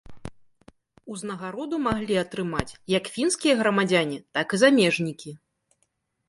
Узнагароду маглі атрымаць як фінскія грамадзяне, так і замежнікі.